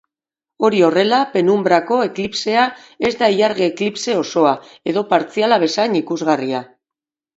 Hori horrela, penunbrako eklipsea ez da ilargi-eklipse osoa edo partziala bezain ikusgarria.